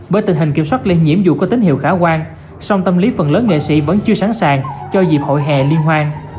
bởi tình hình kiểm soát lây nhiễm dù có tín hiệu khả quan song tâm lý phần lớn nghệ sĩ vẫn chưa sẵn sàng cho dịp hội hè liên hoan